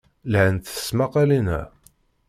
Lhant tesmaqqalin-a.